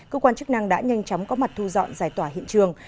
cơ quan chức năng đã nhanh chóng có mặt thu dọn giải tỏa hiện trường